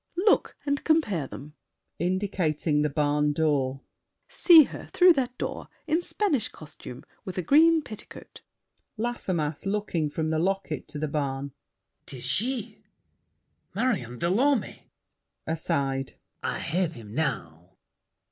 Look and compare them. [Indicating the barn door. See her, through that door, In Spanish costume, with green petticoat. LAFFEMAS (looking from the locket to the barn). 'Tis she—Marion de Lorme! [Aside.] I have him now!